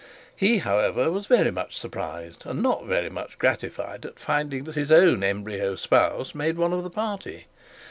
He, however, was very much surprised and not very much gratified at finding that his own embryo spouse made one of the party.